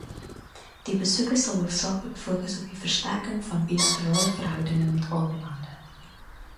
Die besoeke sal hoofsaaklik fokus op die versterking van bilaterale verhoudinge met albei lande.